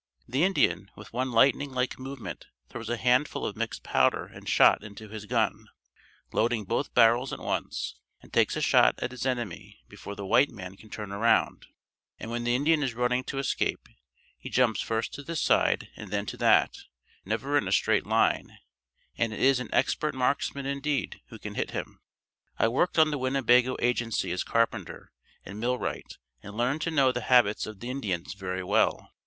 The Indian, with one lightning like movement throws a hand full of mixed powder and shot into his gun, loading both barrels at once and takes a shot at his enemy before the white man can turn around, and when the Indian is running to escape, he jumps first to this side and then to that, never in a straight line, and it is an expert marksman, indeed, who can hit him. I worked on the Winnebago agency as carpenter and millwright and learned to know the habits of the Indians very well.